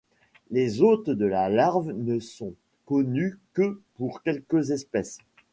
Les hôtes de la larve ne sont connus que pour quelques espèces.